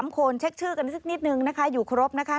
๓คนเช็คชื่อกันสักนิดนึงนะคะอยู่ครบนะคะ